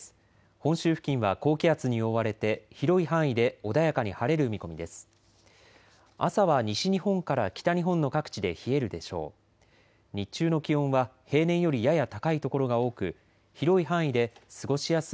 本州付近は高気圧に覆われて広い範囲で穏やかに晴れる見込みです。